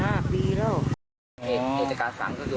อยู่บนท็อปขอบความวัดอยู่